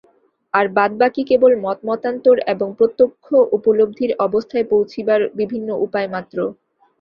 আর বাদবাকী কেবল মতমতান্তর এবং প্রত্যক্ষ উপলব্ধির অবস্থায় পৌঁছিবার বিভিন্ন উপায়মাত্র।